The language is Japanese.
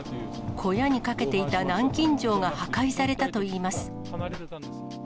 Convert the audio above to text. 小屋にかけていた南京錠が破壊されたといいます。